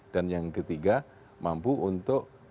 dan yang ketiga mampu untuk